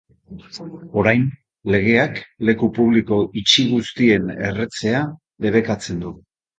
Orain, legeak leku publiko itxi guztien erretzea debekatzen du.